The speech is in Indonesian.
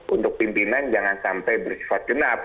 untuk pimpinan jangan sampai bersifat genap